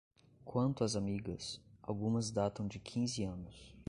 Quanto às amigas, algumas datam de quinze anos